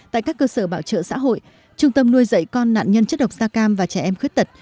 tại các cơ sở bảo trợ xã hội trung tâm nuôi dạy con nạn nhân chất độc da cam và trẻ em khuyết tật